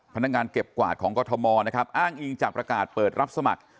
พนักงานเก็บกวาดของกรทมนะครับอ้างอิงจากประกาศเปิดรับสมัคร